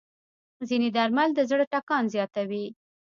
ځینې درمل د زړه ټکان زیاتوي.